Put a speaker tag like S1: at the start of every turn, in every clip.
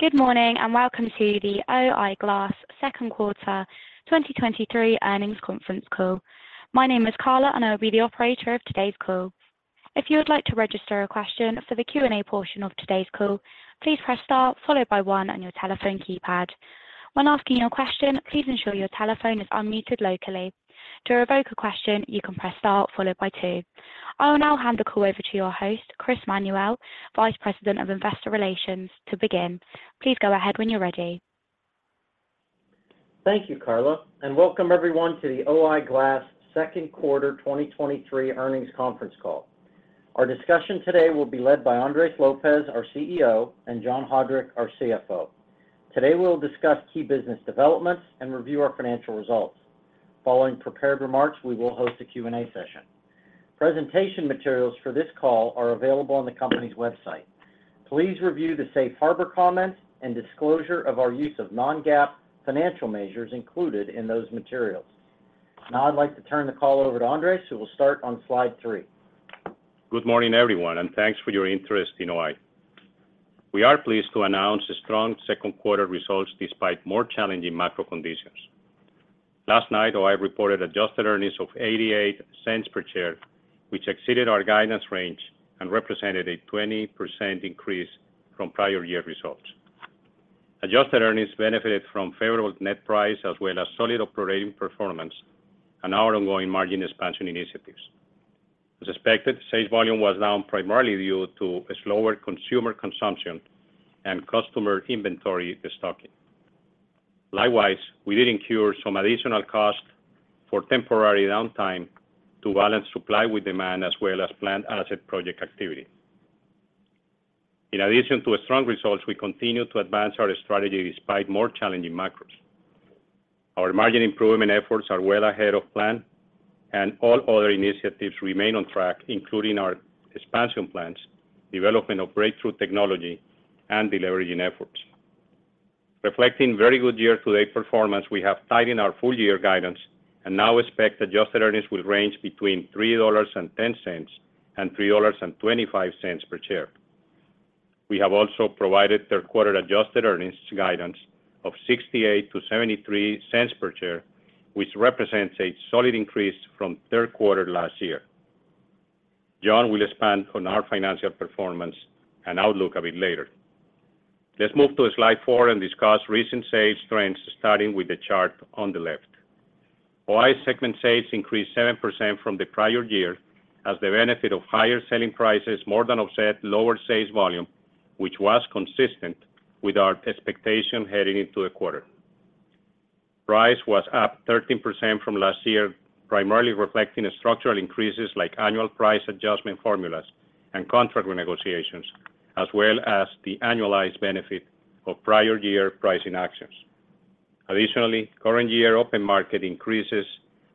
S1: Good morning, welcome to the O-I Glass second quarter 2023 earnings conference call. My name is Carla, and I will be the operator of today's call. If you would like to register a question for the Q&A portion of today's call, please press Star followed by One on your telephone keypad. When asking your question, please ensure your telephone is unmuted locally. To revoke a question, you can press Star followed by Two. I will now hand the call over to your host, Chris Manuel, Vice President of Investor Relations, to begin. Please go ahead when you're ready.
S2: Thank you, Carla, welcome everyone to the O-I Glass Second Quarter 2023 Earnings Conference Call. Our discussion today will be led by Andres Lopez, our CEO, and John Haudrich, our CFO. Today, we'll discuss key business developments and review our financial results. Following prepared remarks, we will host a Q&A session. Presentation materials for this call are available on the company's website. Please review the safe harbor comments and disclosure of our use of non-GAAP financial measures included in those materials. Now I'd like to turn the call over to Andres, who will start on slide three.
S3: Good morning, everyone, and thanks for your interest in O-I. We are pleased to announce strong second quarter results despite more challenging macro conditions. Last night, O-I reported adjusted earnings of $0.88 per share, which exceeded our guidance range and represented a 20% increase from prior year results. Adjusted earnings benefited from favorable net price, as well as solid operating performance and our ongoing margin expansion initiatives. As expected, sales volume was down, primarily due to a slower consumer consumption and customer inventory stocking. Likewise, we did incur some additional costs for temporary downtime to balance supply with demand, as well as planned asset project activity. In addition to a strong results, we continue to advance our strategy despite more challenging macros. Our margin improvement efforts are well ahead of plan, and all other initiatives remain on track, including our expansion plans, development of breakthrough technology, and deleveraging efforts. Reflecting very good year-to-date performance, we have tightened our full-year guidance and now expect adjusted earnings will range between $3.10 and $3.25 per share. We have also provided third quarter adjusted earnings guidance of $0.68-$0.73 per share, which represents a solid increase from third quarter last year. John will expand on our financial performance and outlook a bit later. Let's move to Slide four and discuss recent sales trends, starting with the chart on the left. O-I segment sales increased 7% from the prior year as the benefit of higher selling prices more than offset lower sales volume, which was consistent with our expectation heading into the quarter. Price was up 13% from last year, primarily reflecting structural increases like annual price adjustment formulas and contract negotiations, as well as the annualized benefit of prior year pricing actions. Additionally, current year open market increases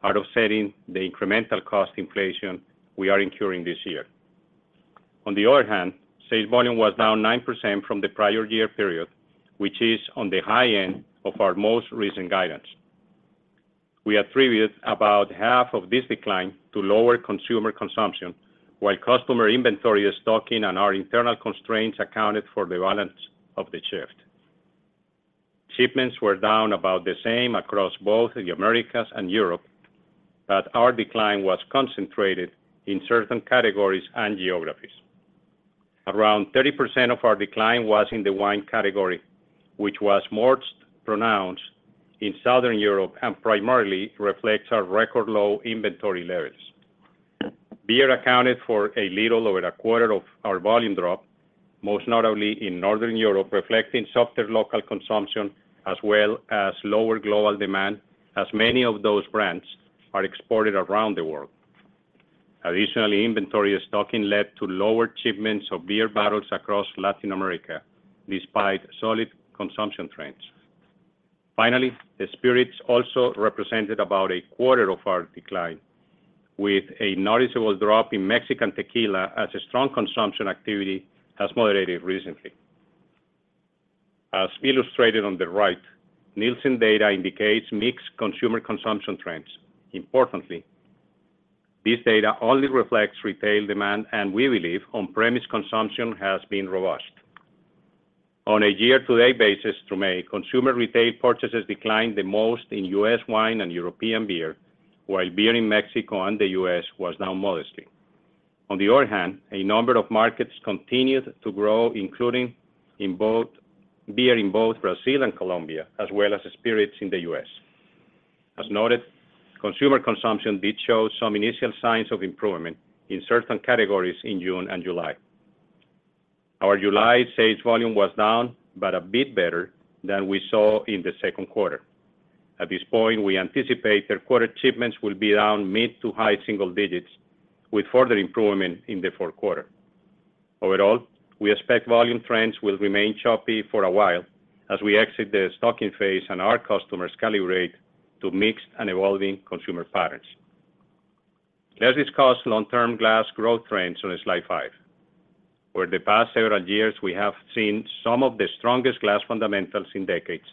S3: are offsetting the incremental cost inflation we are incurring this year. On the other hand, sales volume was down 9% from the prior year period, which is on the high end of our most recent guidance. We attribute about half of this decline to lower consumer consumption, while customer inventory stocking and our internal constraints accounted for the balance of the shift. Shipments were down about the same across both the Americas and Europe, but our decline was concentrated in certain categories and geographies. Around 30% of our decline was in the wine category, which was most pronounced in Southern Europe and primarily reflects our record-low inventory levels. Beer accounted for a little over a quarter of our volume drop, most notably in Northern Europe, reflecting softer local consumption as well as lower global demand, as many of those brands are exported around the world. Additionally, inventory stocking led to lower shipments of beer bottles across Latin America, despite solid consumption trends. Finally, the spirits also represented about a quarter of our decline, with a noticeable drop in Mexican tequila as a strong consumption activity has moderated recently. As illustrated on the right, Nielsen data indicates mixed consumer consumption trends. Importantly, this data only reflects retail demand, and we believe on-premise consumption has been robust. On a year-to-date basis to May, consumer retail purchases declined the most in US wine and European beer, while beer in Mexico and the U.S. was down modestly. On the other hand, a number of markets continued to grow, including beer in both Brazil and Colombia, as well as spirits in the U.S. As noted, consumer consumption did show some initial signs of improvement in certain categories in June and July. Our July sales volume was down, but a bit better than we saw in the second quarter. At this point, we anticipate third quarter shipments will be around mid-to-high single digits, with further improvement in the fourth quarter. Overall, we expect volume trends will remain choppy for a while as we exit the stocking phase and our customers calibrate to mixed and evolving consumer patterns. Let's discuss long-term glass growth trends on slide five. For the past several years, we have seen some of the strongest glass fundamentals in decades,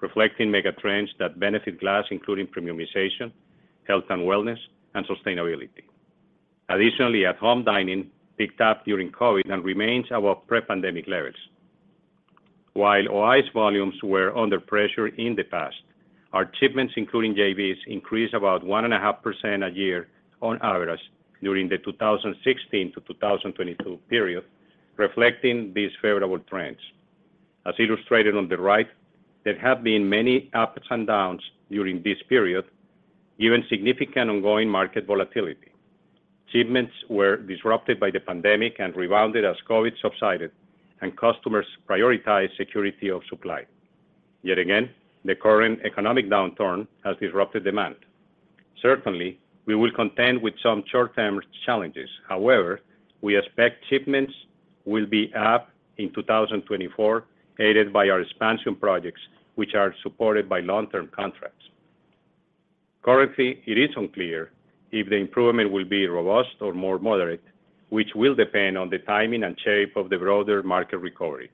S3: reflecting megatrends that benefit glass, including premiumization, health and wellness, and sustainability.... Additionally, at-home dining picked up during COVID and remains above pre-pandemic levels. While O-I's volumes were under pressure in the past, our shipments, including JVs, increased about 1.5% a year on average during the 2016 to 2022 period, reflecting these favorable trends. As illustrated on the right, there have been many ups and downs during this period, given significant ongoing market volatility. Shipments were disrupted by the pandemic and rebounded as COVID subsided, and customers prioritized security of supply. Yet again, the current economic downturn has disrupted demand. Certainly, we will contend with some short-term challenges. However, we expect shipments will be up in 2024, aided by our expansion projects, which are supported by long-term contracts. Currently, it is unclear if the improvement will be robust or more moderate, which will depend on the timing and shape of the broader market recovery.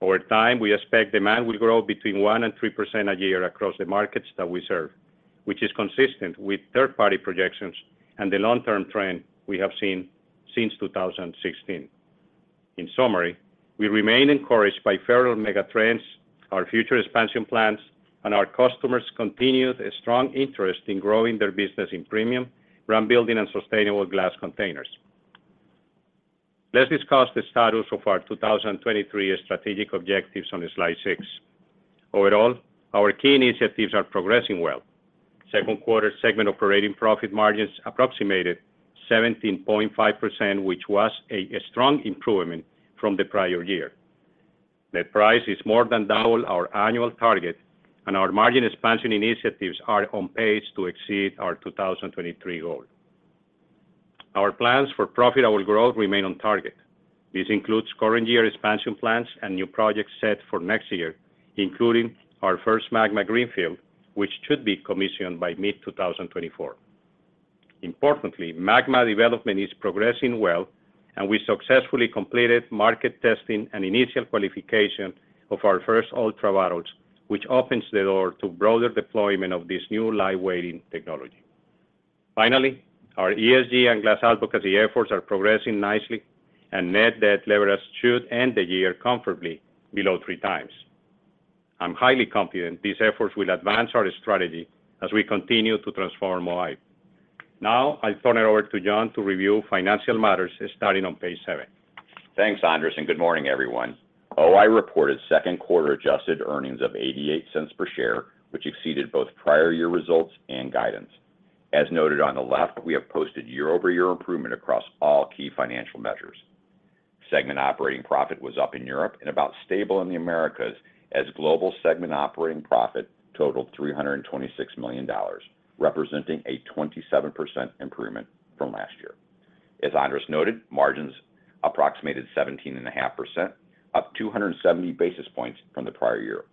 S3: Over time, we expect demand will grow between 1% and 3% a year across the markets that we serve, which is consistent with third-party projections and the long-term trend we have seen since 2016. In summary, we remain encouraged by federal mega trends, our future expansion plans, and our customers continued a strong interest in growing their business in premium, brand building, and sustainable glass containers. Let's discuss the status of our 2023 strategic objectives on slide six. Overall, our key initiatives are progressing well. Second quarter segment operating profit margins approximated 17.5%, which was a strong improvement from the prior year. Net price is more than double our annual target, and our margin expansion initiatives are on pace to exceed our 2023 goal. Our plans for profitable growth remain on target. This includes current year expansion plans and new projects set for next year, including our first MAGMA Greenfield, which should be commissioned by mid-2024. Importantly, MAGMA development is progressing well, and we successfully completed market testing and initial qualification of our first ULTRA bottles, which opens the door to broader deployment of this new lightweighting technology. Finally, our ESG and glass advocacy efforts are progressing nicely, and net debt leverage should end the year comfortably below three times. I'm highly confident these efforts will advance our strategy as we continue to transform O-I. Now, I turn it over to John to review financial matters, starting on page seven.
S4: Thanks, Andres. Good morning, everyone. O-I reported second quarter adjusted earnings of $0.88 per share, which exceeded both prior year results and guidance. As noted on the left, we have posted year-over-year improvement across all key financial measures. Segment operating profit was up in Europe and about stable in the Americas, as global segment operating profit totaled $326 million, representing a 27% improvement from last year. As Andres noted, margins approximated 17.5%, up 270 basis points from the prior year.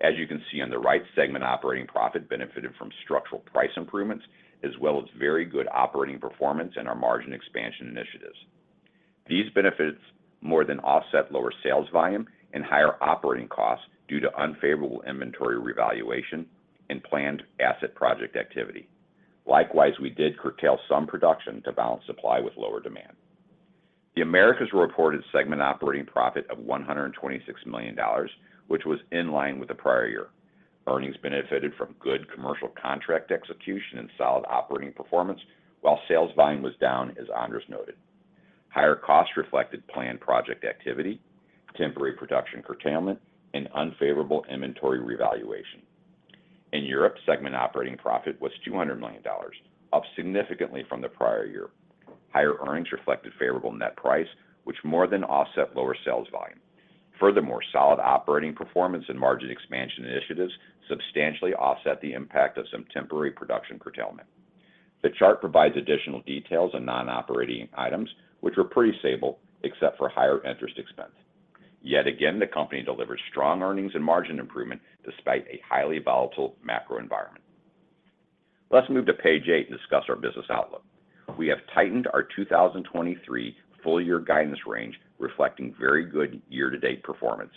S4: As you can see on the right, segment operating profit benefited from structural price improvements, as well as very good operating performance and our margin expansion initiatives. These benefits more than offset lower sales volume and higher operating costs due to unfavorable inventory revaluation and planned asset project activity. Likewise, we did curtail some production to balance supply with lower demand. The Americas reported segment operating profit of $126 million, which was in line with the prior year. Earnings benefited from good commercial contract execution and solid operating performance, while sales volume was down, as Andres noted. Higher costs reflected planned project activity, temporary production curtailment, and unfavorable inventory revaluation. In Europe, segment operating profit was $200 million, up significantly from the prior year. Higher earnings reflected favorable net price, which more than offset lower sales volume. Solid operating performance and margin expansion initiatives substantially offset the impact of some temporary production curtailment. The chart provides additional details on non-operating items, which were pretty stable except for higher interest expense. Yet again, the company delivered strong earnings and margin improvement despite a highly volatile macro environment. Let's move to page eight and discuss our business outlook. We have tightened our 2023 full year guidance range, reflecting very good year-to-date performance.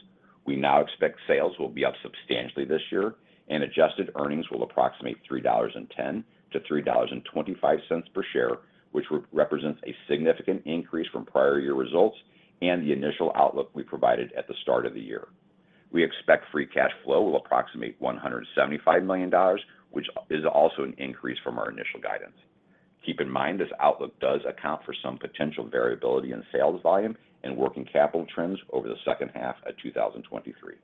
S4: We now expect sales will be up substantially this year, and adjusted earnings will approximate $3.10-$3.25 per share, which represents a significant increase from prior year results and the initial outlook we provided at the start of the year. We expect free cash flow will approximate $175 million, which is also an increase from our initial guidance. Keep in mind, this outlook does account for some potential variability in sales volume and working capital trends over the second half of 2023.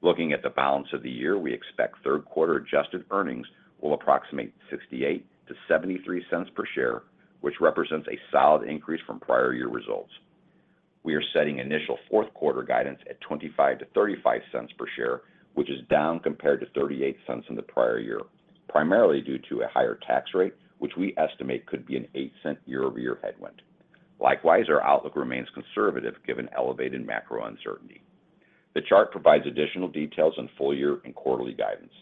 S4: Looking at the balance of the year, we expect third quarter adjusted earnings will approximate $0.68-$0.73 per share, which represents a solid increase from prior year results. We are setting initial fourth quarter guidance at $0.25-$0.35 per share, which is down compared to $0.38 in the prior year, primarily due to a higher tax rate, which we estimate could be an $0.08 year-over-year headwind. Likewise, our outlook remains conservative, given elevated macro uncertainty. The chart provides additional details on full year and quarterly guidance.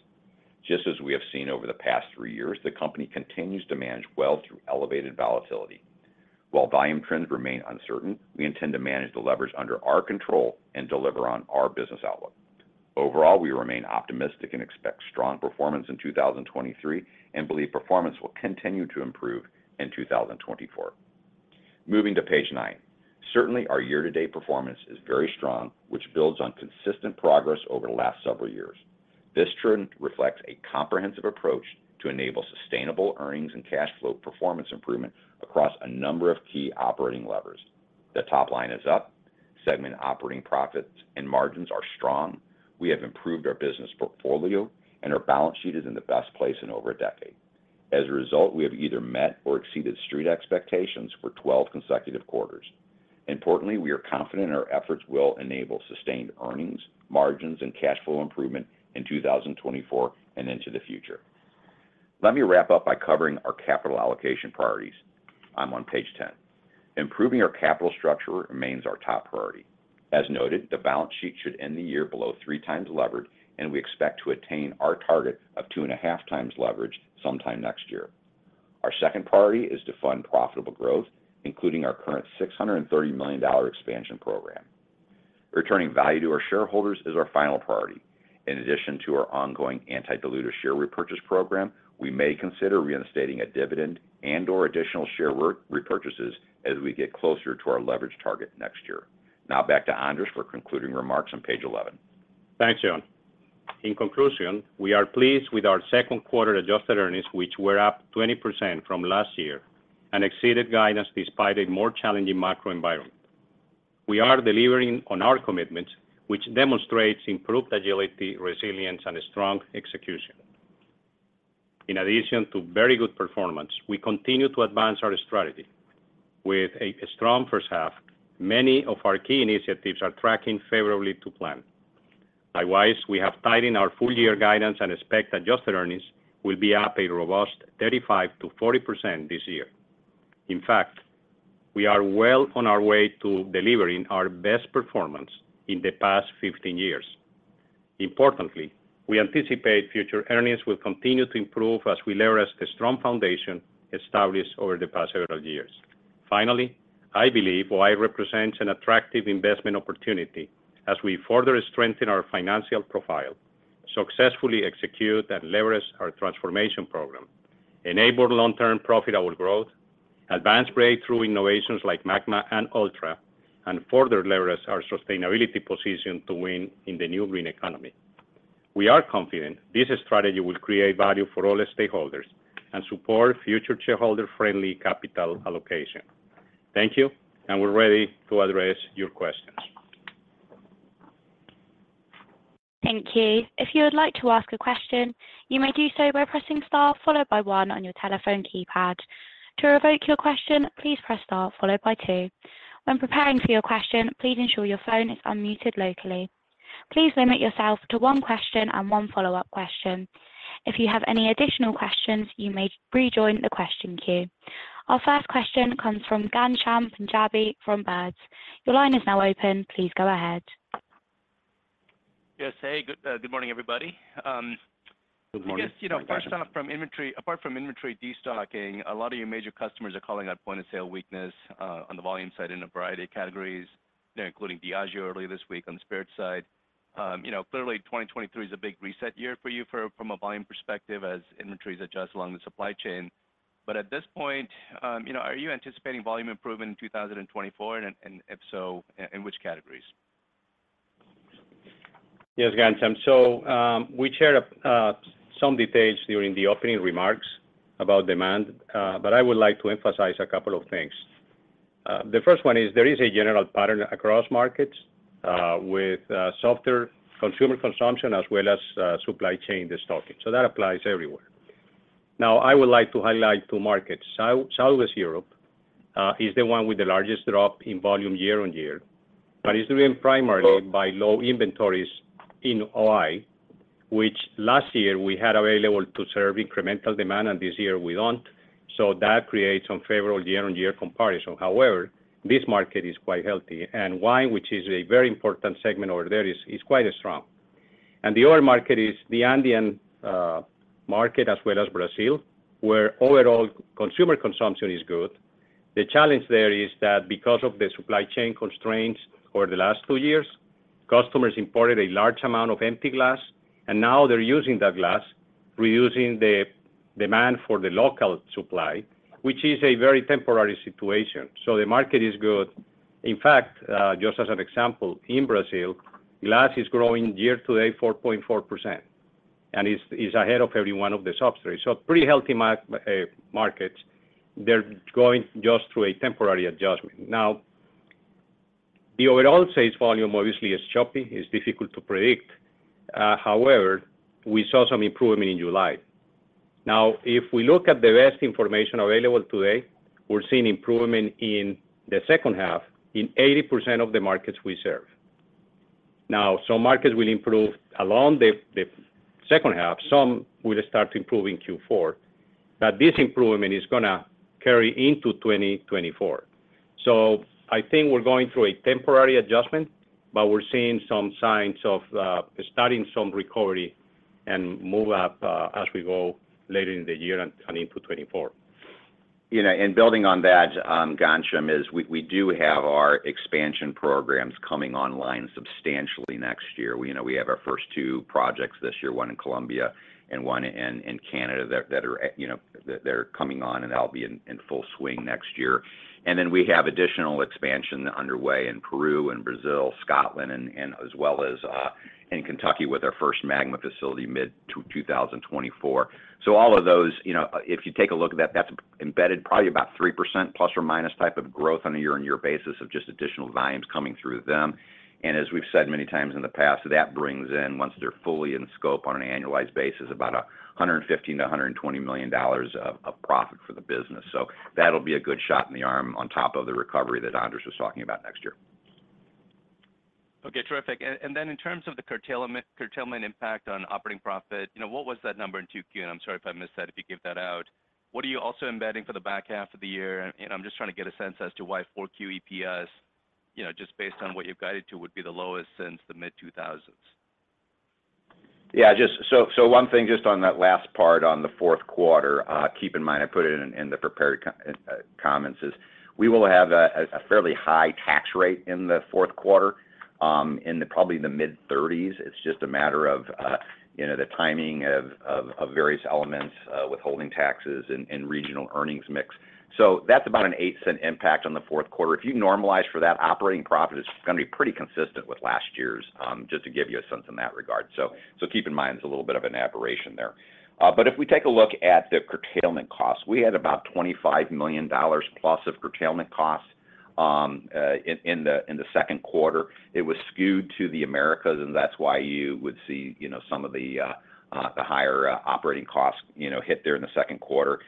S4: Just as we have seen over the past three years, the company continues to manage well through elevated volatility.... While volume trends remain uncertain, we intend to manage the leverage under our control and deliver on our business outlook. Overall, we remain optimistic and expect strong performance in 2023, and believe performance will continue to improve in 2024. Moving to page nine. Certainly, our year-to-date performance is very strong, which builds on consistent progress over the last several years. This trend reflects a comprehensive approach to enable sustainable earnings and cash flow performance improvement across a number of key operating levers. The top line is up, segment operating profits and margins are strong, we have improved our business portfolio, and our balance sheet is in the best place in over a decade. As a result, we have either met or exceeded street expectations for 12 consecutive quarters. Importantly, we are confident our efforts will enable sustained earnings, margins, and cash flow improvement in 2024 and into the future. Let me wrap up by covering our capital allocation priorities. I'm on page 10. Improving our capital structure remains our top priority. As noted, the balance sheet should end the year below 3x leverage, and we expect to attain our target of 2.5x leverage sometime next year. Our second priority is to fund profitable growth, including our current $630 million expansion program. Returning value to our shareholders is our final priority. In addition to our ongoing anti-dilutive share repurchase program, we may consider reinstating a dividend and/or additional share re-repurchases as we get closer to our leverage target next year. Back to Andres for concluding remarks on page 11.
S3: Thanks, John. In conclusion, we are pleased with our second quarter adjusted earnings, which were up 20% from last year and exceeded guidance despite a more challenging macro environment. We are delivering on our commitments, which demonstrates improved agility, resilience, and strong execution. In addition to very good performance, we continue to advance our strategy. With a strong first half, many of our key initiatives are tracking favorably to plan. Likewise, we have tightened our full year guidance and expect adjusted earnings will be up a robust 35%-40% this year. In fact, we are well on our way to delivering our best performance in the past 15 years. Importantly, we anticipate future earnings will continue to improve as we leverage the strong foundation established over the past several years. Finally, I believe O-I represents an attractive investment opportunity as we further strengthen our financial profile, successfully execute and leverage our transformation program, enable long-term profitable growth, advance breakthrough innovations like MAGMA and ULTRA, and further leverage our sustainability position to win in the new green economy. We are confident this strategy will create value for all stakeholders and support future shareholder-friendly capital allocation. Thank you. We're ready to address your questions.
S1: Thank you. If you would like to ask a question, you may do so by pressing star followed by one on your telephone keypad. To revoke your question, please press star followed by two. When preparing for your question, please ensure your phone is unmuted locally. Please limit yourself to one question and one follow-up question. If you have any additional questions, you may rejoin the question queue. Our first question comes from Ghansham Panjabi from Baird. Your line is now open. Please go ahead.
S5: Yes. Hey, good, good morning, everybody.
S3: Good morning.
S5: I guess, you know, first off, from inventory, apart from inventory destocking, a lot of your major customers are calling out point-of-sale weakness, on the volume side in a variety of categories, including Diageo earlier this week on the spirit side. You know, clearly, 2023 is a big reset year for you from, from a volume perspective as inventories adjust along the supply chain. At this point, you know, are you anticipating volume improvement in 2024? And if so, in which categories?
S3: Yes, Ghansham. We shared some details during the opening remarks about demand, but I would like to emphasize a couple of things. The first one is there is a general pattern across markets with softer consumer consumption as well as supply chain destocking. That applies everywhere. Now, I would like to highlight two markets. Southwest Europe is the one with the largest drop in volume year-on-year, but it's driven primarily by low inventories in O-I, which last year we had available to serve incremental demand, and this year we don't. That creates unfavorable year-on-year comparison. However, this market is quite healthy, and wine, which is a very important segment over there, is quite strong. The other market is the Andean market as well as Brazil, where overall consumer consumption is good. The challenge there is that because of the supply chain constraints over the last two years, customers imported a large amount of empty glass, and now they're using that glass, reducing the demand for the local supply, which is a very temporary situation. The market is good. In fact, just as an example, in Brazil, glass is growing year to date, 4.4%, and is, is ahead of every one of the substrates. Pretty healthy markets. They're going just through a temporary adjustment. Now, the overall sales volume obviously is choppy, it's difficult to predict, however, we saw some improvement in July. Now, if we look at the best information available today, we're seeing improvement in the second half in 80% of the markets we serve. Some markets will improve along the, the second half, some will start to improve in Q4, but this improvement is gonna carry into 2024....
S5: I think we're going through a temporary adjustment, but we're seeing some signs of starting some recovery and move up as we go later in the year and into 2024.
S4: You know, building on that, Ghansham, is we, we do have our expansion programs coming online substantially next year. We know we have our first two projects this year, one in Colombia and one in Canada, you know, they're coming on, and that'll be in full swing next year. Then we have additional expansion underway in Peru and Brazil, Scotland, as well as in Kentucky with our first MAGMA facility mid-2024. All of those, you know, if you take a look at that, that's embedded probably about 3% ± type of growth on a year-on-year basis of just additional volumes coming through them. As we've said many times in the past, that brings in, once they're fully in scope on an annualized basis, about $115 million-$120 million of, of profit for the business. That'll be a good shot in the arm on top of the recovery that Andres was talking about next year.
S5: Okay, terrific. Then in terms of the curtailment, curtailment impact on operating profit, you know, what was that number in 2Q? I'm sorry if I missed that, if you gave that out. What are you also embedding for the back half of the year? I'm just trying to get a sense as to why 4Q EPS, you know, just based on what you've guided to, would be the lowest since the mid-2000s.
S4: Just so, so one thing just on that last part, on the fourth quarter, keep in mind, I put it in, in the prepared comments, is we will have a, a fairly high tax rate in the fourth quarter, probably in the mid-30s. It's just a matter of, you know, the timing of, of, of various elements, withholding taxes and, and regional earnings mix. That's about a $0.08 impact on the fourth quarter. If you normalize for that, operating profit is gonna be pretty consistent with last year's. Just to give you a sense in that regard. Keep in mind, it's a little bit of an aberration there. If we take a look at the curtailment costs, we had about $25 million plus of curtailment costs in the second quarter. It was skewed to the Americas, and that's why you would see, you know, some of the higher operating costs, you know, hit there in the second quarter.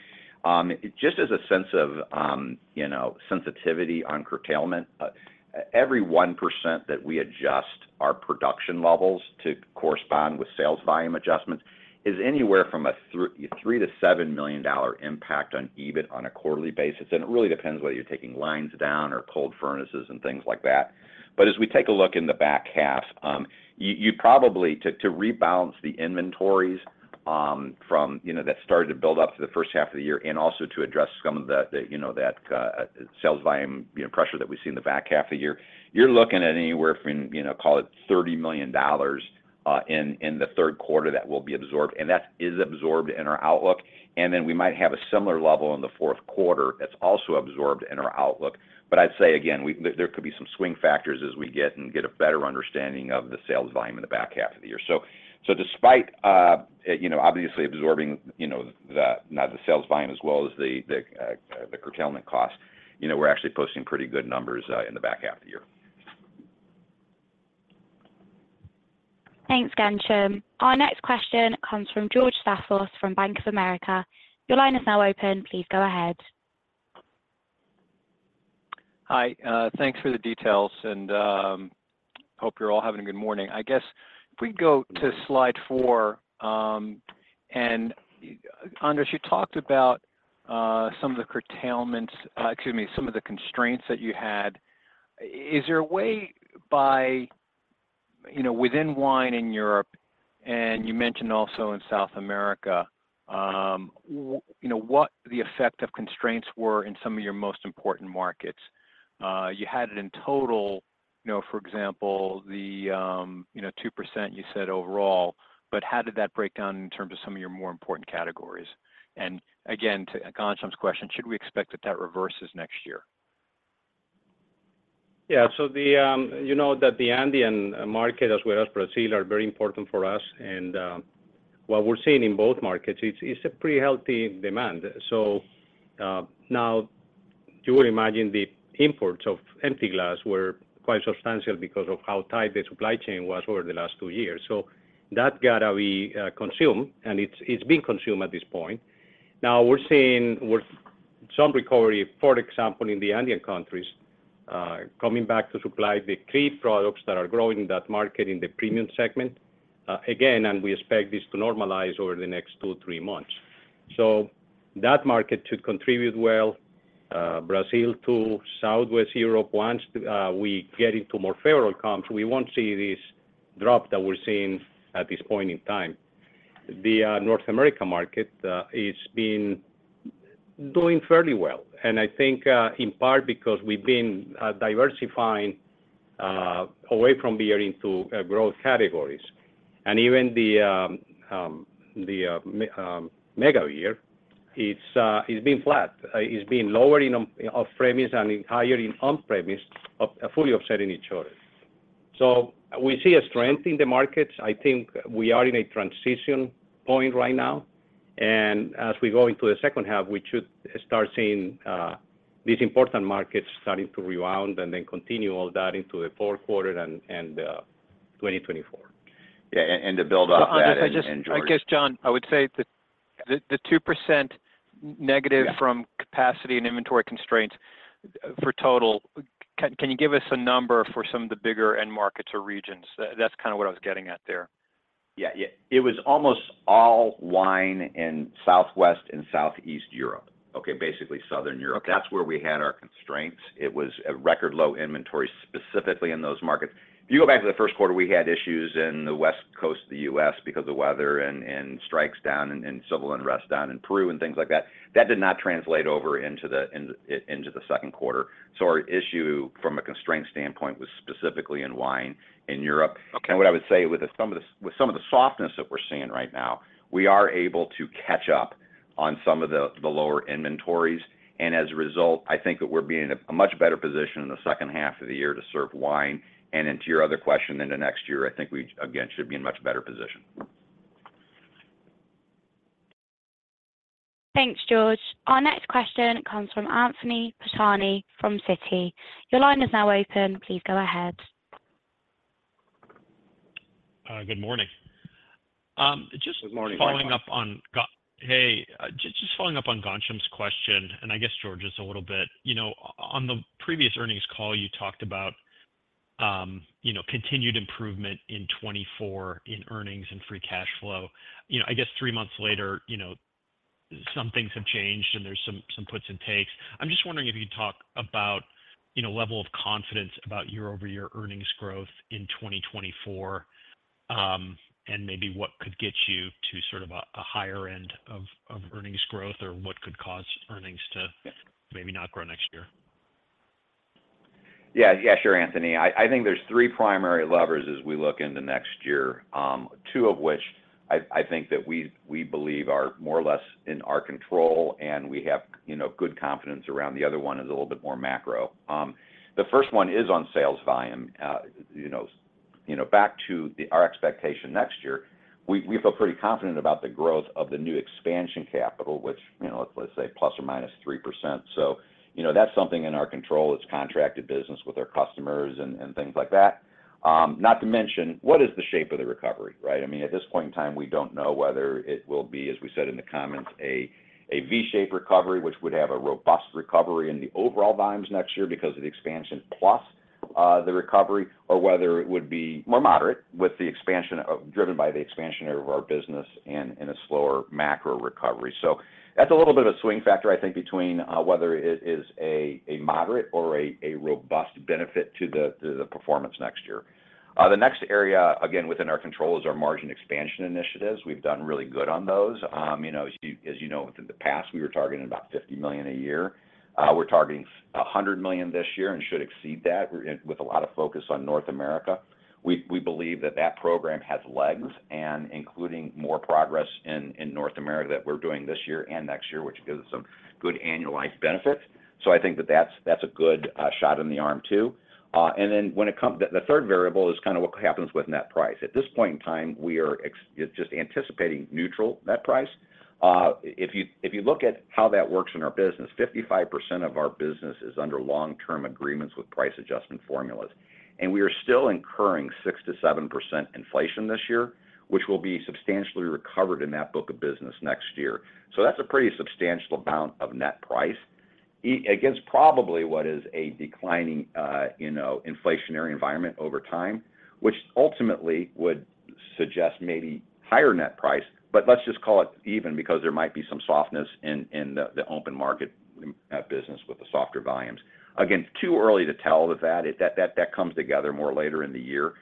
S4: Just as a sense of, you know, sensitivity on curtailment, every 1% that we adjust our production levels to correspond with sales volume adjustments is anywhere from a $3 million-$7 million impact on EBIT on a quarterly basis. It really depends whether you're taking lines down or cold furnaces and things like that. As we take a look in the back half, you probably to rebalance the inventories, from, you know, that started to build up for the first half of the year, and also to address some of the, you know, that sales volume, you know, pressure that we see in the back half of the year. You're looking at anywhere from, you know, call it $30 million, in the third quarter that will be absorbed, and that is absorbed in our outlook. Then we might have a similar level in the fourth quarter that's also absorbed in our outlook. I'd say again, there could be some swing factors as we get, and get a better understanding of the sales volume in the back half of the year. So despite, you know, obviously absorbing, you know, the, now the sales volume as well as the, the, the curtailment costs, you know, we're actually posting pretty good numbers, in the back half of the year.
S1: Thanks, Ghansham. Our next question comes from George Staphos from Bank of America. Your line is now open. Please go ahead.
S6: Hi, thanks for the details, hope you're all having a good morning. I guess if we go to slide 4, Andres, you talked about some of the curtailments, excuse me, some of the constraints that you had. Is there a way by, you know, within wine in Europe, and you mentioned also in South America, you know, what the effect of constraints were in some of your most important markets? You had it in total, you know, for example, the, you know, 2% you said overall, but how did that break down in terms of some of your more important categories? Again, to Gansham's question, should we expect that that reverses next year?
S3: Yeah. So the, you know that the Andean market, as well as Brazil, are very important for us, and what we're seeing in both markets, it's, it's a pretty healthy demand. Now, you would imagine the imports of empty glass were quite substantial because of how tight the supply chain was over the last two years. That got to be consumed, and it's, it's being consumed at this point. Now we're seeing with some recovery, for example, in the Andean countries, coming back to supply the key products that are growing in that market, in the premium segment. Again, and we expect this to normalize over the next two to three months. That market should contribute well, Brazil to Southwest Europe.
S4: Once we get into more favorable comps, we won't see this drop that we're seeing at this point in time. The North America market, it's been doing fairly well, I think in part because we've been diversifying away from beer into growth categories. Even the mega year, it's been flat. It's been lower in on, off-premise and higher in on-premise, fully offsetting each other. We see a strength in the markets. I think we are in a transition point right now, as we go into the second half, we should start seeing these important markets starting to rebound and then continue all that into the fourth quarter and 2024. Yeah, to build off that.
S6: I just... I guess, John, I would say that the 2%-
S4: Yeah
S6: -from capacity and inventory constraints, for total, can you give us a number for some of the bigger end markets or regions? That's kind of what I was getting at there.
S4: Yeah, yeah, it was almost all wine in Southwest and Southeast Europe. Okay, basically Southern Europe. That's where we had our constraints. It was a record low inventory specifically in those markets. If you go back to the first quarter, we had issues in the West Coast of the US because of the weather and strikes down and civil unrest down in Peru and things like that. That did not translate over into the second quarter. Our issue from a constraint standpoint, was specifically in wine in Europe.
S6: Okay.
S4: What I would say with some of the, with some of the softness that we're seeing right now, we are able to catch up on some of the, the lower inventories, and as a result, I think that we're being in a, a much better position in the second half of the year to serve wine. Then to your other question, in the next year, I think we, again, should be in much better position.
S1: Thanks, George. Our next question comes from Anthony Pettinari from Citigroup. Your line is now open. Please go ahead.
S7: Good morning.
S4: Good morning, Anthony.
S7: Hey, just, just following up on Ghansham's question, and I guess, George, just a little bit. You know, on the previous earnings call, you talked about, you know, continued improvement in 2024 in earnings and free cash flow. You know, I guess three months later, you know, some things have changed, and there's some, some puts and takes. I'm just wondering if you could talk about, you know, level of confidence about year-over-year earnings growth in 2024, and maybe what could get you to sort of a, a higher end of, of earnings growth, or what could cause earnings to maybe not grow next year?
S4: Yeah. Yeah, sure, Anthony. I, I think there's three primary levers as we look into next year, two of which I, I think that we, we believe are more or less in our control, and we have, you know, good confidence around. The other one is a little bit more macro. The first one is on sales volume. You know, you know, back to our expectation next year, we, we feel pretty confident about the growth of the new expansion capital, which, you know, let's, let's say ±3%. You know, that's something in our control. It's contracted business with our customers and, and things like that. Not to mention, what is the shape of the recovery, right? I mean, at this point in time, we don't know whether it will be, as we said in the comments, a, a V-shaped recovery, which would have a robust recovery in the overall volumes next year because of the expansion plus the recovery, or whether it would be more moderate with the expansion of-- driven by the expansion of our business and in a slower macro recovery. That's a little bit of a swing factor, I think, between whether it is a moderate or a robust benefit to the performance next year. The next area, again, within our control, is our margin expansion initiatives. We've done really good on those. You know, as you, as you know, in the past, we were targeting about $50 million a year. We're targeting $100 million this year and should exceed that, with a lot of focus on North America. We believe that program has legs, including more progress in North America that we're doing this year and next year, which gives us some good annualized benefits. I think that's a good shot in the arm, too. Then when it the third variable is kind of what happens with net price. At this point in time, we are just anticipating neutral net price. If you look at how that works in our business, 55% of our business is under long-term agreements with price adjustment formulas, and we are still incurring 6%-7% inflation this year, which will be substantially recovered in that book of business next year. That's a pretty substantial amount of net price. Against probably what is a declining, you know, inflationary environment over time, which ultimately would suggest maybe higher net price, but let's just call it even because there might be some softness in, in the, the open market business with the softer volumes. It's too early to tell with that. That comes together more later in the year.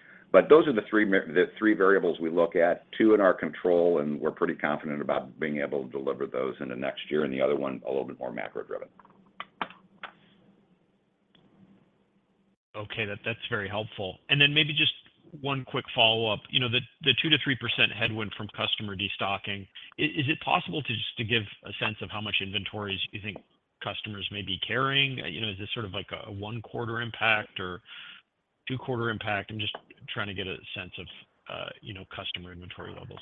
S4: Those are the three the three variables we look at, two in our control, and we're pretty confident about being able to deliver those in the next year, and the other one, a little bit more macro-driven.
S7: Okay, that, that's very helpful. Then maybe just one quick follow-up. You know, the 2%-3% headwind from customer destocking, is it possible to just give a sense of how much inventories you think customers may be carrying? You know, is this sort of like a one-quarter impact or two-quarter impact? I'm just trying to get a sense of, you know, customer inventory levels.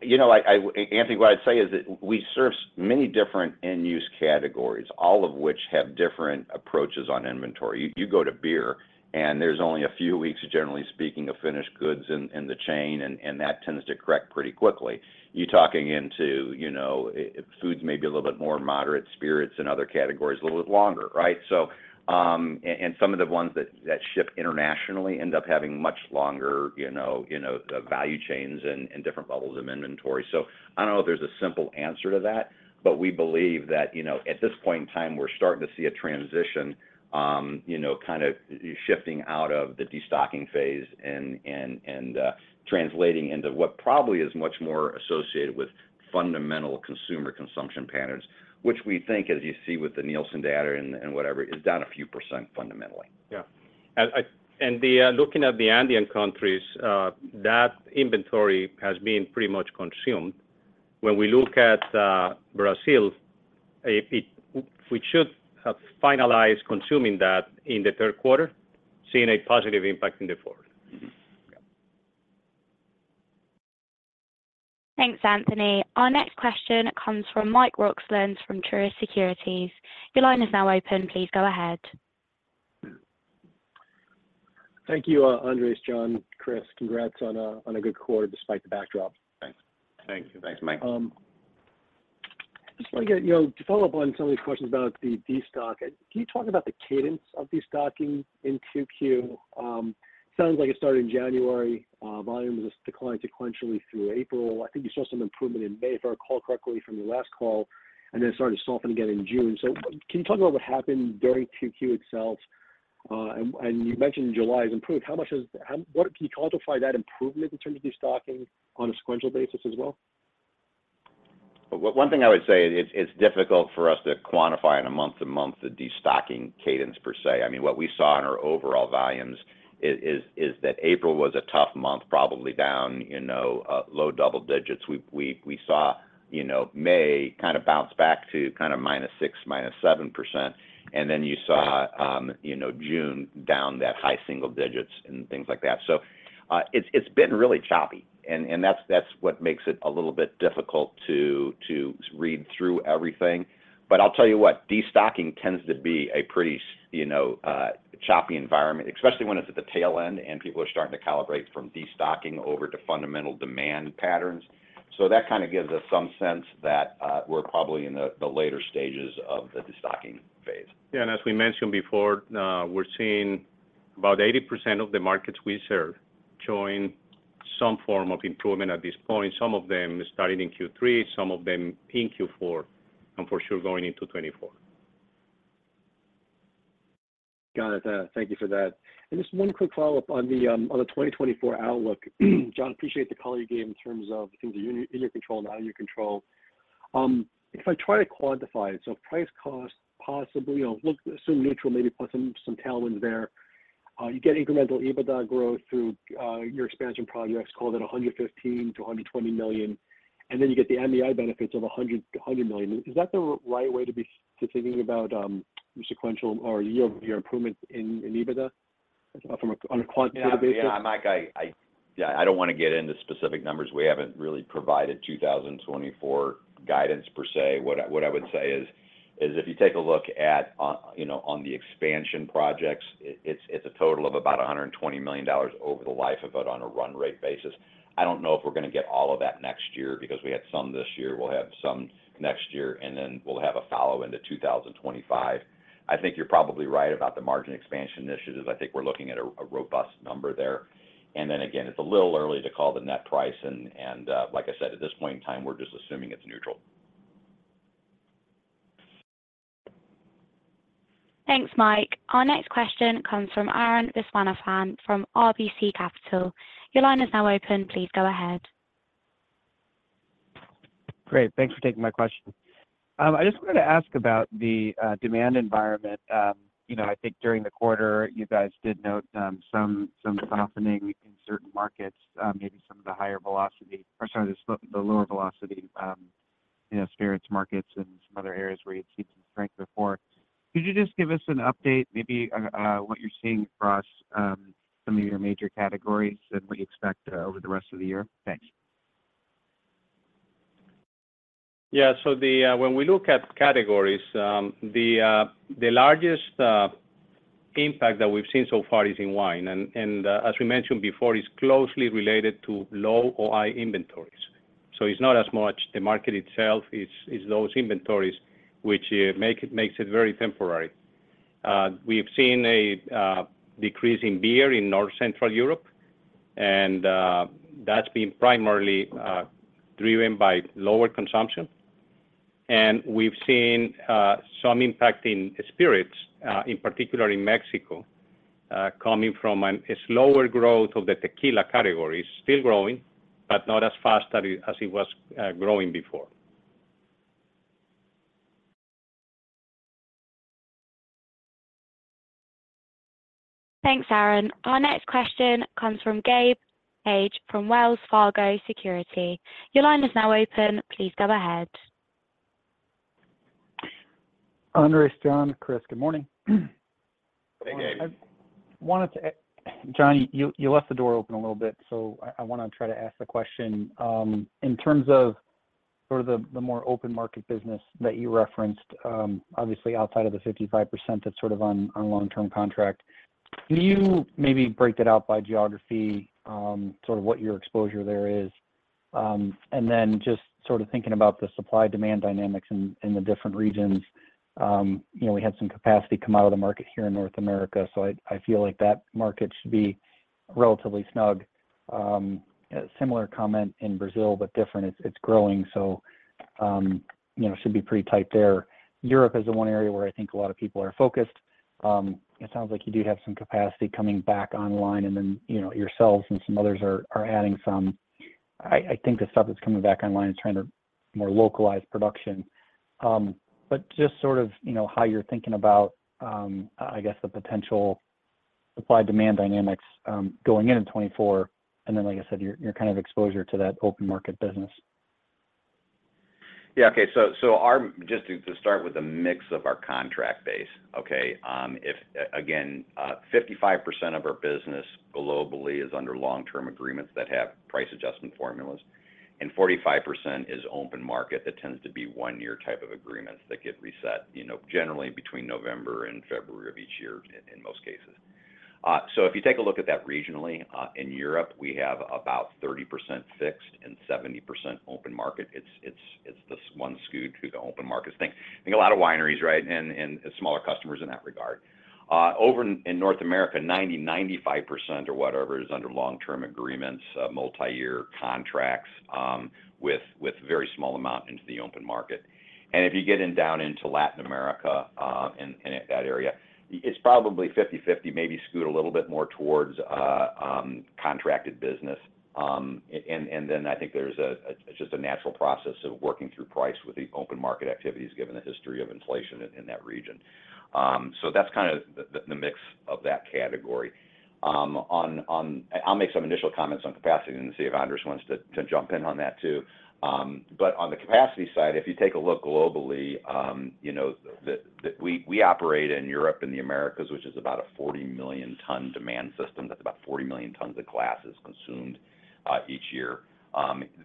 S4: You know, I, I... Anthony, what I'd say is that we serve many different end-use categories, all of which have different approaches on inventory. You, you go to beer, and there's only a few weeks, generally speaking, of finished goods in, in the chain, and, and that tends to correct pretty quickly. You're talking into, you know, foods may be a little bit more moderate, spirits and other categories, a little bit longer, right? And some of the ones that, that ship internationally end up having much longer, you know, you know, value chains and, and different levels of inventory. I don't know if there's a simple answer to that, but we believe that, you know, at this point in time, we're starting to see a transition, you know, kind of shifting out of the destocking phase and translating into what probably is much more associated with fundamental consumer consumption patterns, which we think, as you see with the Nielsen data and whatever, is down a few percent fundamentally.
S3: Yeah. Looking at the Andean countries, that inventory has been pretty much consumed. When we look at Brazil, it, we should have finalized consuming that in the third quarter, seeing a positive impact in the fourth.
S4: Mm-hmm. Yeah.
S1: Thanks, Anthony. Our next question comes from Michael Roxland from Truist Securities. Your line is now open. Please go ahead.
S8: Thank you, Andres, John, Chris. Congrats on a good quarter despite the backdrop.
S4: Thanks.
S3: Thank you.
S4: Thanks, Mike.
S8: Just want to get, you know, to follow up on some of these questions about the destocking. Can you talk about the cadence of destocking in Q2? Sounds like it started in January, volume was declined sequentially through April. I think you saw some improvement in May, if I recall correctly from your last call, and then it started to soften again in June. Can you talk about what happened during Q2 itself? You mentioned July has improved. Can you quantify that improvement in terms of destocking on a sequential basis as well?
S4: One, one thing I would say, it's, it's difficult for us to quantify on a month-to-month the destocking cadence per se. I mean, what we saw in our overall volumes is, is, is that April was a tough month, probably down, you know, low double digits. We, we, we saw, you know, May kind of bounce back to kind of -6%, -7%. Then you saw, you know, June down that high single digits and things like that. It's, it's been really choppy, and, and that's, that's what makes it a little bit difficult to, to read through everything. I'll tell you what, destocking tends to be a pretty, you know, choppy environment, especially when it's at the tail end and people are starting to calibrate from destocking over to fundamental demand patterns. That kind of gives us some sense that we're probably in the later stages of the destocking phase.
S3: Yeah, as we mentioned before, we're seeing about 80% of the markets we serve showing some form of improvement at this point. Some of them starting in Q3, some of them in Q4, for sure going into 2024.
S8: Got it. Thank you for that. Just one quick follow-up on the 2024 outlook. John, appreciate the color you gave in terms of things in your, in your control, not in your control. If I try to quantify it, price cost, possibly, you know, look assume neutral, maybe put some, some tailwinds there. You get incremental EBITDA growth through your expansion projects, call it $115 million-$120 million, and then you get the MEI benefits of $100 million. Is that the right way to be thinking about your sequential or year-over-year improvements in EBITDA from a- on a quant basis?
S4: Yeah. Mike, I don't want to get into specific numbers. We haven't really provided 2024 guidance per se. What I would say is if you take a look at, you know, on the expansion projects, it's a total of about $120 million over the life of it on a run rate basis. I don't know if we're going to get all of that next year because we had some this year. We'll have some next year, and then we'll have a follow into 2025. I think you're probably right about the margin expansion initiatives. I think we're looking at a robust number there. Then again, it's a little early to call the net price, and, like I said, at this point in time, we're just assuming it's neutral.
S1: Thanks, Mike. Our next question comes from Arun Viswanathan from RBC Capital. Your line is now open. Please go ahead.
S9: Great, thanks for taking my question. I just wanted to ask about the demand environment. You know, I think during the quarter, you guys did note some, some softening in certain markets, maybe some of the higher velocity, or sorry, the lower velocity, you know, spirits markets, and some other areas where you'd seen some strength before. Could you just give us an update, maybe on what you're seeing across some of your major categories and what you expect over the rest of the year? Thanks.
S3: Yeah. The... When we look at categories, the, the largest impact that we've seen so far is in wine, and, as we mentioned before, is closely related to low or high inventories. It's not as much the market itself, it's, it's those inventories which makes it very temporary. We've seen a decrease in beer in North Central Europe, and that's been primarily driven by lower consumption. We've seen some impact in spirits, in particular in Mexico, coming from a slower growth of the tequila category. Still growing, but not as fast as it was growing before.
S1: Thanks, Arun. Our next question comes from Gabe Hajde, from Wells Fargo Securities. Your line is now open. Please go ahead.
S4: Andres, John, Chris, good morning.
S3: Hey, Gabe.
S10: I wanted to- John, you, you left the door open a little bit, so I, I want to try to ask the question. In terms of sort of the, the more open market business that you referenced, obviously outside of the 55%, that's sort of on, on long-term contract, can you maybe break that out by geography, sort of what your exposure there is? Just sort of thinking about the supply-demand dynamics in, in the different regions. You know, we had some capacity come out of the market here in North America, so I, I feel like that market should be relatively snug. A similar comment in Brazil, but different, it's, it's growing, so, you know, should be pretty tight there. Europe is the one area where I think a lot of people are focused. It sounds like you do have some capacity coming back online, and then, you know, yourselves and some others are, are adding some. I, I think the stuff that's coming back online is trying to more localized production. Just sort of, you know, how you're thinking about, I, I guess the potential supply-demand dynamics going into 2024, and then, like I said, your, your kind of exposure to that open market business.
S4: Okay. Just to start with the mix of our contract base, okay? If, again, 55% of our business globally is under long-term agreements that have price adjustment formulas, and 45% is open market. That tends to be one-year type of agreements that get reset, you know, generally between November and February of each year in most cases. If you take a look at that regionally, in Europe, we have about 30% fixed and 70% open market. It's, it's, it's this one skewed to the open markets. Think, think a lot of wineries, right? And smaller customers in that regard. Over in North America, 90%-95% or whatever is under long-term agreements, multi-year contracts, with very small amount into the open market. If you get in, down into Latin America, and that area, it's probably 50/50, maybe skewed a little bit more towards contracted business. Then I think there's just a natural process of working through price with the open market activities, given the history of inflation in that region. That's kind of the mix of that category. I'll make some initial comments on capacity and then see if Andres wants to jump in on that too. On the capacity side, if you take a look globally, you know, we operate in Europe and the Americas, which is about a 40 million ton demand system. That's about 40 million tons of glass is consumed each year.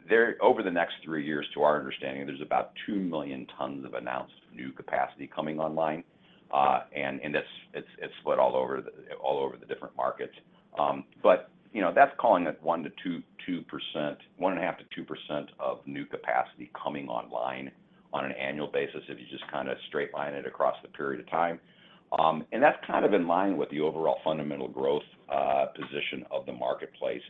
S4: There, over the next three years, to our understanding, there's about 2 million tons of announced new capacity coming online, and it's split all over the different markets. That's calling it 1.5%-2% of new capacity coming online on an annual basis, if you just kind of straight line it across the period of time. That's kind of in line with the overall fundamental growth position of the marketplace.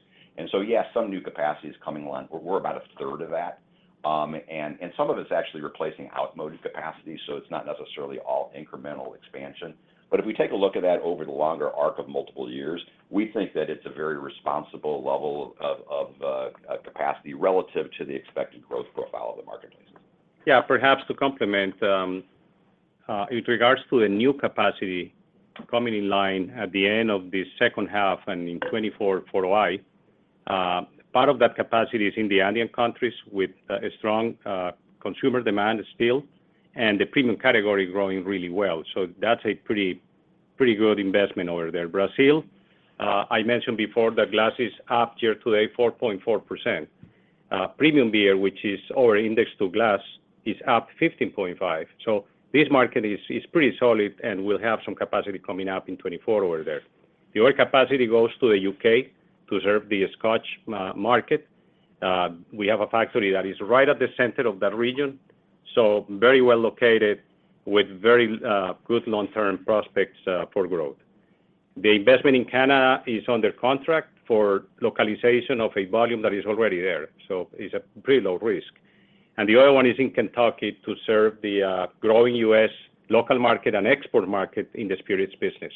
S4: Yes, some new capacity is coming along. We're about a third of that, and some of it's actually replacing outmoded capacity, so it's not necessarily all incremental expansion. If we take a look at that over the longer arc of multiple years, we think that it's a very responsible level of a capacity relative to the expected growth profile of the marketplace.
S3: Yeah, perhaps to complement, with regards to the new capacity coming in line at the end of the second half and in 2024 for O-I, part of that capacity is in the Andean countries with a strong consumer demand still, and the premium category growing really well. So that's a pretty, pretty good investment over there. Brazil, I mentioned before, the glass is up year to date, 4.4%. Premium beer, which is our index to glass, is up 15.5%. This market is pretty solid and will have some capacity coming up in 2024 over there. The other capacity goes to the U.K. to serve the Scotch market. We have a factory that is right at the center of that region, so very well located with very good long-term prospects for growth. The investment in Canada is under contract for localization of a volume that is already there, so it's a pretty low risk. The other one is in Kentucky to serve the growing U.S. local market and export market in the spirits business.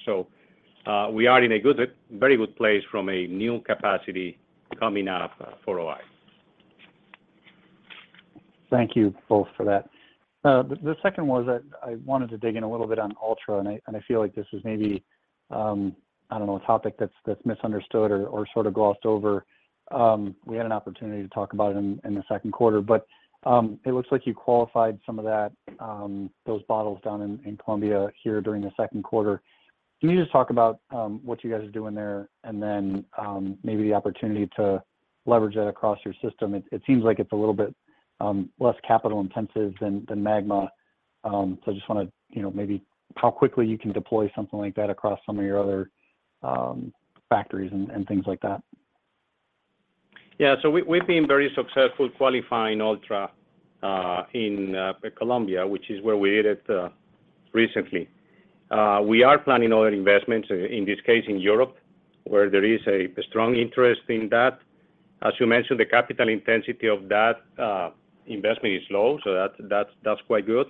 S3: We are in a good, very good place from a new capacity coming up for O-I.
S10: Thank you both for that. The, the second was that I wanted to dig in a little bit on ULTRA, and I, and I feel like this is maybe, I don't know, a topic that's, that's misunderstood or, or sort of glossed over. We had an opportunity to talk about it in, in the second quarter, it looks like you qualified some of that, those bottles down in, in Colombia here during the second quarter. Can you just talk about, what you guys are doing there, and then, maybe the opportunity to leverage that across your system? It, it seems like it's a little bit, less capital-intensive than, than MAGMA. I just wanna, you know, maybe how quickly you can deploy something like that across some of your other, factories and, and things like that.
S3: We've been very successful qualifying ULTRA in Colombia, which is where we did it recently. We are planning other investments, in this case, in Europe, where there is a strong interest in that. As you mentioned, the capital intensity of that investment is low, so that's, that's, that's quite good.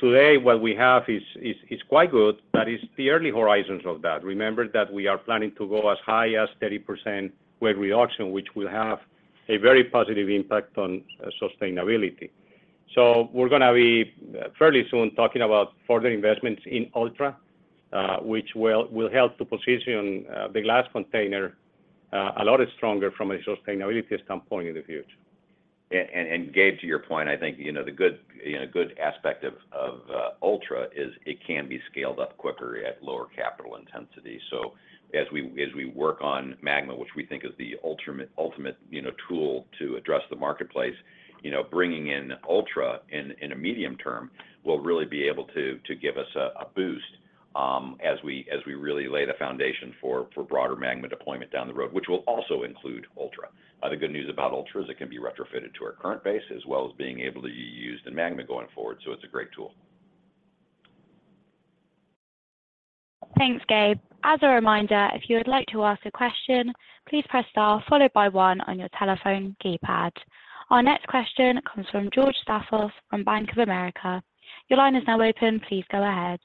S3: Today, what we have is, is, is quite good, that is the early horizons of that. Remember that we are planning to go as high as 30% weight reduction, which will have a very positive impact on sustainability. We're gonna be fairly soon talking about further investments in ULTRA, which will, will help to position the glass container a lot stronger from a sustainability standpoint in the future.
S4: Gabe, to your point, I think, you know, the good, you know, good aspect of, of ULTRA is it can be scaled up quicker at lower capital intensity. As we, as we work on MAGMA, which we think is the ultimate, ultimate, you know, tool to address the marketplace, you know, bringing in ULTRA in, in a medium term, will really be able to, to give us a, a boost, as we, as we really lay the foundation for, for broader MAGMA deployment down the road, which will also include ULTRA. The good news about ULTRA is it can be retrofitted to our current base as well as being able to be used in MAGMA going forward, so it's a great tool.
S1: Thanks, Gabe. As a reminder, if you would like to ask a question, please press star followed by 1 on your telephone keypad. Our next question comes from George Staphos from Bank of America. Your line is now open. Please go ahead.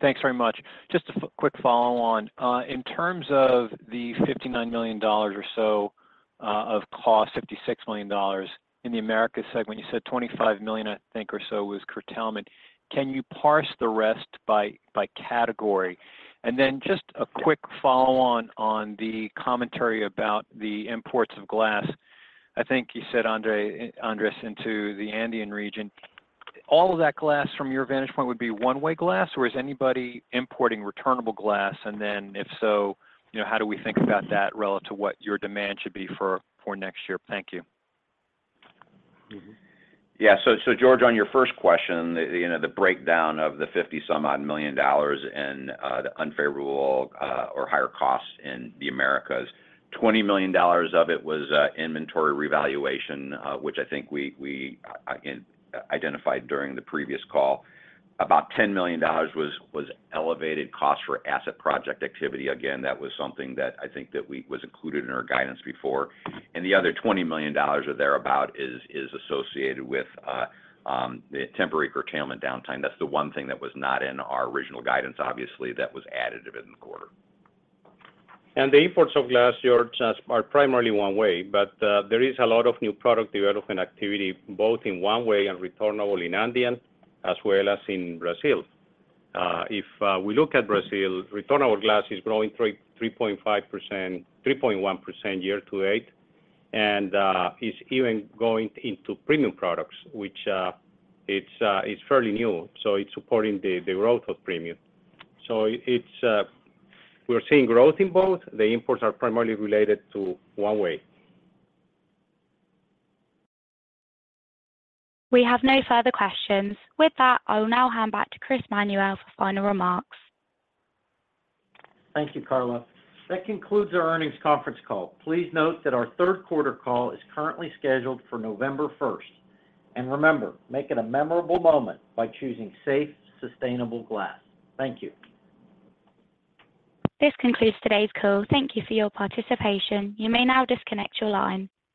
S6: Thanks very much. Just a quick follow on. In terms of the $59 million or so of cost, $56 million in the Americas segment, you said $25 million, I think, or so was curtailment. Can you parse the rest by, by category? Just a quick follow-on on the commentary about the imports of glass. I think you said Andres, into the Andean region. All of that glass from your vantage point would be one-way glass, or is anybody importing returnable glass? Then, if so, you know, how do we think about that relative to what your demand should be for, for next year? Thank you.
S4: Mm-hmm. Yeah, so George, on your first question, you know, the breakdown of the $50 some odd million in the unfavorable or higher costs in the Americas, $20 million of it was inventory revaluation, which I think we again identified during the previous call. About $10 million was elevated costs for asset project activity. Again, that was something that I think that was included in our guidance before. The other $20 million or thereabout is associated with the temporary curtailment downtime. That's the one thing that was not in our original guidance, obviously, that was added in the quarter.
S3: The imports of glass, George, are primarily one way, but there is a lot of new product development activity, both in one way and returnable in Andean as well as in Brazil. If we look at Brazil, returnable glass is growing 3%, 3.5%, 3.1% year to date, and is even going into premium products, which it's fairly new, so it's supporting the growth of premium. It's. We're seeing growth in both. The imports are primarily related to one way.
S1: We have no further questions. With that, I will now hand back to Chris Manuel for final remarks.
S2: Thank you, Carla. That concludes our earnings conference call. Please note that our 3rd quarter call is currently scheduled for November 1st. Remember, make it a memorable moment by choosing safe, sustainable glass. Thank you.
S1: This concludes today's call. Thank you for your participation. You may now disconnect your line.